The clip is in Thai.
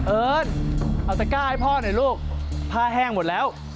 เอิ้นเอาตะก้าให้พ่อหน่อยลูกผ้าแห้งหมดแล้ว